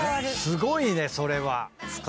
「すごいねそれは」